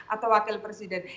atau wakil presiden